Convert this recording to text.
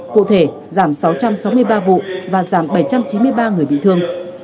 cụ thể giảm sáu trăm sáu mươi ba vụ và giảm bảy trăm chín mươi ba người bị thương